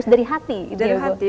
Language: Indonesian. dan harus dari hati